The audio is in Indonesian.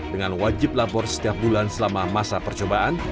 dengan wajib lapor setiap bulan selama masa percobaan